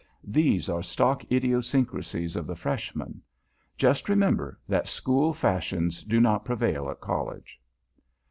These are stock idiosyncrasies of the Freshman. Just remember that School fashions do not prevail at College.